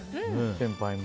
先輩も。